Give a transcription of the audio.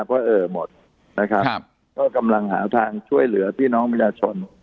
เพราะเออหมดนะครับก็กำลังหาทางช่วยเหลือพี่น้องประชาชน